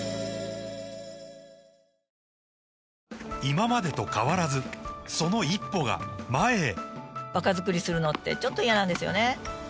今までと変わらずその一歩が前へ若づくりするのってちょっと嫌なんですよね